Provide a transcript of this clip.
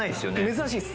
珍しいです